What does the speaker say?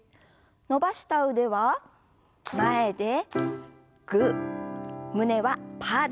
伸ばした腕は前でグー胸はパーです。